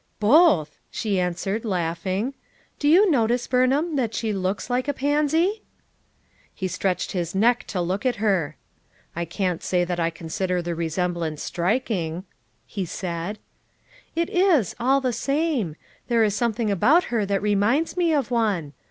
"Both," she answered, laughing. "Do you notice, Buraham, that she looks like a pansy?" 404 FOUR MOTHERS AT CHAUTAUQUA He stretched liis neck to look at her. "I can't say that I consider the resemblance strik ing/' he said. "It is, all the same; there is something about her that reminds me of one.